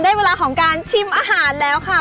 เวลาของการชิมอาหารแล้วค่ะ